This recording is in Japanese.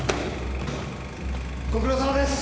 ご苦労さまです！